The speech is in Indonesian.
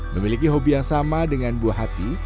memiliki hobi yang sama dengan buah hati